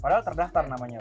padahal terdaftar namanya bu